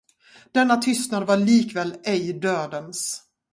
Denna tystnad var likväl ej dödens.